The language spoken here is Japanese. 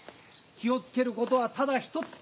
気をつける事はただ一つ。